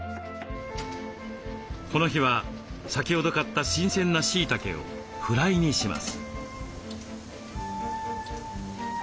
この日は先ほど買った新鮮なしいたけをフライにします。